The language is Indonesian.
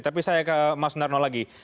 tapi saya ke mas narno lagi